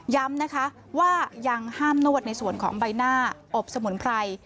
ย้ำนะคะว่ายังห้ามนวดในส่วนของใบหน้าอบสมุนไพร